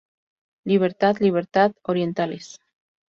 ¡Libertad, libertad, orientales!